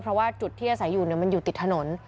เพราะว่าจุดที่อาศัยอยู่มันอยู่ติดถนน